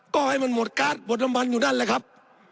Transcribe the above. ก็ให้มันหมดการ์ดหมดน้ำมันอยู่นั่นแหละครับ